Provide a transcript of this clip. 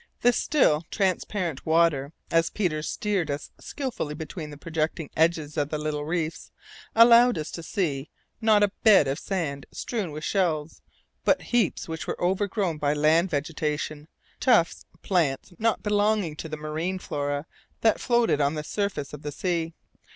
The still, transparent water, as Peters steered us skilfully between the projecting edges of the little reefs, allowed us to see, not a bed of sand strewn with shells, but blackish heaps which were overgrown by land vegetation, tufts of plants not belonging to the marine flora that floated on the surface of the sea.